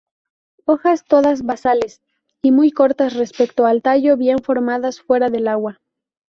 Hojas todas basales y muy cortas respecto al tallo, bien formadas fuera del agua.